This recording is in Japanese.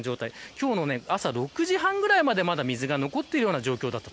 今日の朝６時半ぐらいまで水が残っているような状況でした。